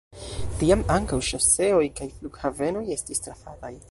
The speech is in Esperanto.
Tiam ankaŭ ŝoseoj kaj flughavenoj estis trafataj.